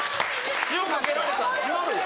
塩かけられたら締まるよ。